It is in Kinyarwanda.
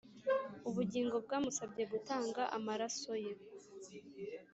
ubugingo bwamusabye gutanga amaraso ye